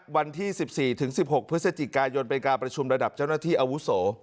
วันที่๑๔๑๖พฤศจิกายนเป็นการประชุมระดับเจ้าหน้าที่อาวุโส